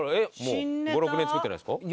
５６年作ってないんです？